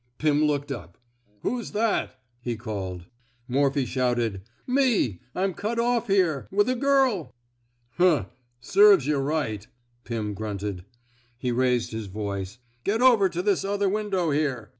Pim looked up. '' Who's that? '' he called. Morphy shouted :Me — I 'm cut off here — with a girl !"Huh! Serves yuh right, '* Pim grunted. He raised his voice: Get over to this other window here.'